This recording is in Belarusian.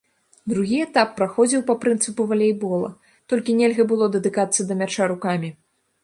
Другі этап праходзіў па прынцыпу валейбола, толькі нельга было датыкацца да мяча рукамі.